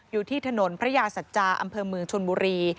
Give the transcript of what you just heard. อยู่ที่ถนนพระยาสัจจาอำเภอเมืองชนบุรี